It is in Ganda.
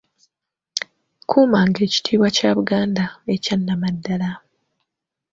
Kuumanga ekitiibwa kya Buganda ekya nnamaddala.